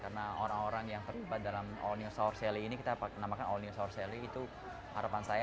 karena orang orang yang terlibat dalam all new saurseli ini kita namakan all new saurseli itu harapan saya sampai kalau saurseli bertambah besar